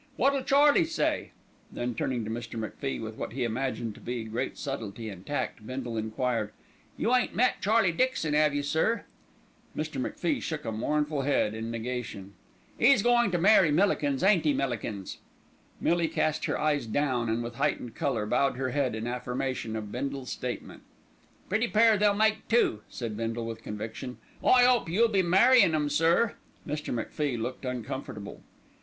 Wot'll Charlie say?" Then turning to Mr. MacFie with what he imagined to be great subtlety and tact, Bindle enquired, "You ain't met Charlie Dixon, 'ave you, sir?" Mr. MacFie shook a mournful head in negation. "'E's goin' to marry Millikins, ain't 'e, Millikins?" Millie cast her eyes down and, with heightened colour, bowed her head in affirmation of Bindle's statement. "Pretty pair they'll make too," said Bindle with conviction. "I 'ope you'll be marryin' 'em, sir." Mr. MacFie looked uncomfortable.